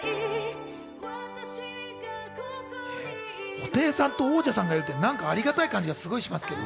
布袋さんとＯＯＪＡさんがいるって、なんかありがたい感じがしますけど。